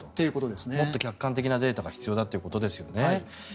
もっと客観的なデータが必要だということですよね。